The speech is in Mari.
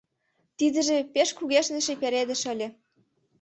Тидже пеш кугешныше пеледыш ыле…